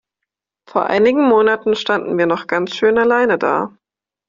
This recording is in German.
Vor einigen Monaten standen wir noch ganz schön alleine da.